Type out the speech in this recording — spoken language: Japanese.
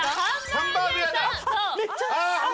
ハンバーグ屋さん。